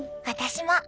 私も！